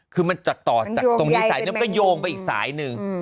คือมันจากต่อจากตรงนี้สายนี้มันก็โยงไปอีกสายหนึ่ง